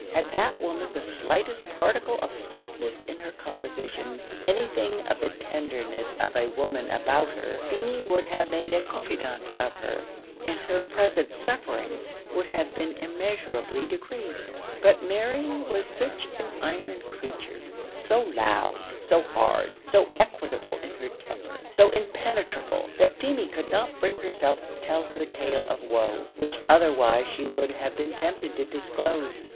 Had that woman the slightest particle of softness in her composition, anything of the tenderness of a woman about her, Feemy would have made a confidant of her, and her present sufferings would have been immeasurably decreased; but Mary was such an iron creature so loud, so hard, so equable in her temper, so impenetrable, that Feemy could not bring herself to tell her tale of woe, which otherwise she would have been tempted to disclose.